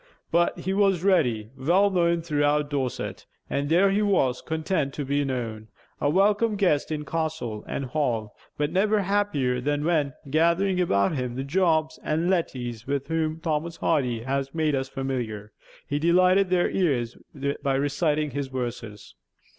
But he was already well known throughout Dorset, and there he was content to be known; a welcome guest in castle and hall, but never happier than when, gathering about him the Jobs and Lettys with whom Thomas Hardy has made us familiar, he delighted their ears by reciting his verses.